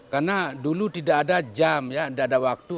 karena dulu tidak ada jam tidak ada waktu